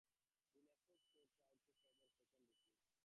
The Naples Court ruled in favor of the second thesis.